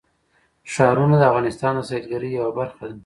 ښارونه د افغانستان د سیلګرۍ یوه برخه ده.